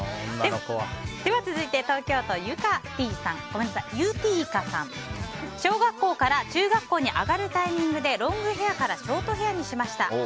では続いて、東京都の方。小学校から中学校に上がるタイミングでロングヘアからショートヘアにしました。